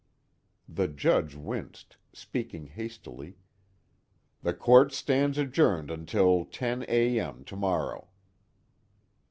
The Judge winced, speaking hastily: "The Court stands adjourned until ten A.M. tomorrow."